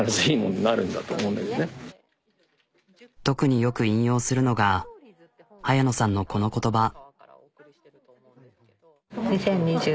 特によく引用するのが早野さんのこの言葉。